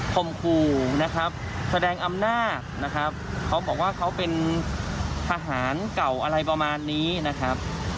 มขู่นะครับแสดงอำนาจนะครับเขาบอกว่าเขาเป็นทหารเก่าอะไรประมาณนี้นะครับ